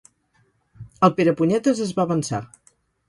El Perepunyetes es va avançar.